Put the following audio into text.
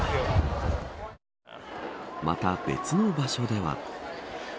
また別の場所では。